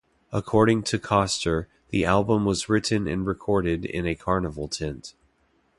According to Koster, the album was written and recorded in a carnival tent.